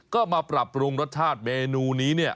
ก็มาปรับปรุงรสชาติเมนูนี้เนี่ย